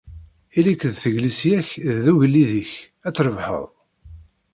Ili-k d teglisya-k d ugellid-ik, ad trebḥeḍ.